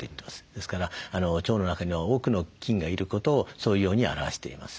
ですから腸の中には多くの菌がいることをそういうように表しています。